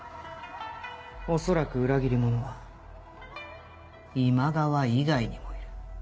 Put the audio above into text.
恐らく裏切り者は今川以外にもいる。